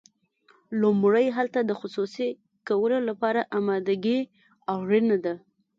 لومړی هلته د خصوصي کولو لپاره امادګي اړینه ده.